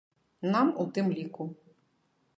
Нам у тым ліку.